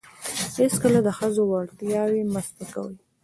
هیڅکله د ښځو وړتیاوې مه سپکوئ.